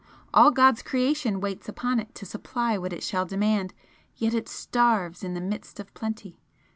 All God's creation waits upon it to supply what it shall demand, yet it starves in the midst of plenty.